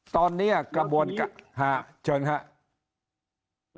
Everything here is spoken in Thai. ตอนนี้กระบวนการเชิญครับ